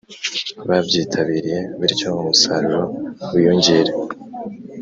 babyitabiriye bityo umusaruro wiyongere